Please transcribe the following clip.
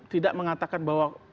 tidak mengatakan bahwa